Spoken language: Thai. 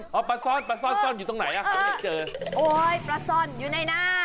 พอปลาซ่อนปลาซ่อนซ่อนอยู่ตรงไหนอ่ะหาไม่เจอโอ้ยปลาซ่อนอยู่ในหน้า